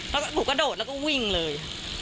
แล้วหนูกระโดดแล้วก็วิ่งเลย